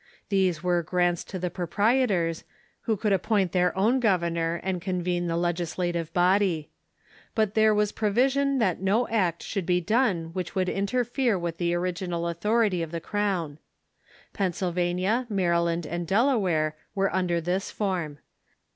These were grants to the proprie tors, who could appoint their own governor and convene the legislative body. But there Avas provision that no act should be done Avhich Avould interfere Avith the original authority of the crown. Pennsylvania, Maryland, and DelaAvare Avere un der this form.